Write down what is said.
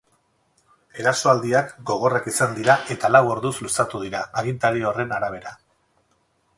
Erasoaldiak gogorrak izan dira eta lau orduz luzatu dira, agintari horren arabera.